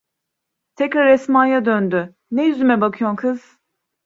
Tekrar Esma'ya döndü: "Ne yüzüme bakıyon kız?"